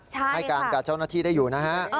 ให้การกับเจ้าหน้าที่ได้อยู่นะฮะ